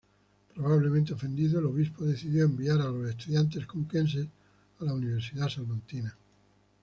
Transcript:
Probablemente ofendido, el obispo decidió enviar a los estudiantes conquenses a la Universidad salmantina.